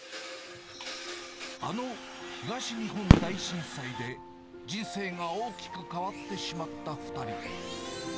あの東日本大震災で、人生が大きく変わってしまった２人。